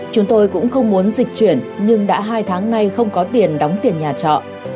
chúng tôi cũng không muốn dịch chuyển nhưng đã hai tháng nay không có tiền đóng tiền nhà trọ